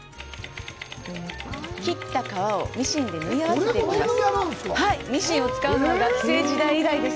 切った革をミシンで縫い合わせていきます。